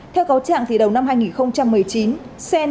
theo cáo trạng thì đầu năm hai nghìn một mươi chín